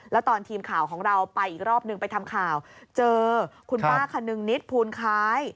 แล้วตอนทีมข่าวของเราไปอีกรอบนึงไปทำข่าวเจอคุณป้าคนนึงนิดภูลคล้าย